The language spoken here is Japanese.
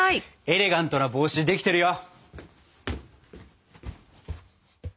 エレガントな帽子できてるよ！